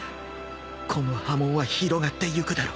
この波紋は広がってゆくだろう。